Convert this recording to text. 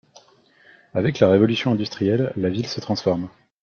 Avec la révolution industrielle, la ville se transforme.